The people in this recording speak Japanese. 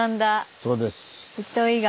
そうです。